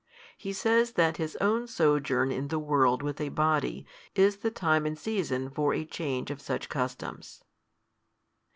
He says that His own sojourn in the world with a Body is the time and season for a change of such customs.